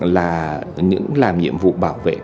là những làm nhiệm vụ bảo vệ